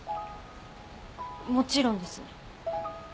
もちろんです。